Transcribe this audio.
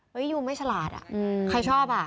เฮ้ยยูไม่ฉลาดอะใครชอบอะ